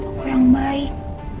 papa yang baik